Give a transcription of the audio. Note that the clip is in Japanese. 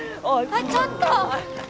あっちょっと！